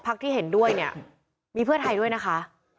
ที่เห็นด้วยเนี่ยมีเพื่อไทยด้วยนะคะ